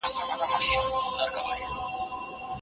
هوغو خلګو زموږ سره خبري نه کولې .